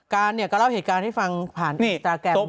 การก็เล่าเหตุการณ์ที่ฟังผ่านอิสตาแก่ม